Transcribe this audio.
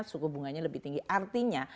suku bunganya lebih tinggi artinya